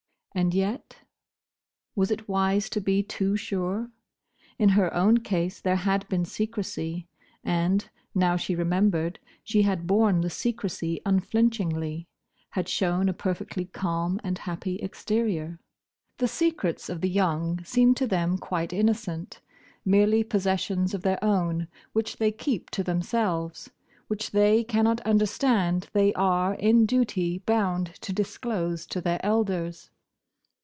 And yet? Was it wise to be too sure? In her own case there had been secrecy, and, now she remembered, she had borne the secrecy unflinchingly; had shown a perfectly calm and happy exterior. The secrets of the young seem to them quite innocent: merely possessions of their own which they keep to themselves, which they cannot understand they are in duty bound to disclose to their elders.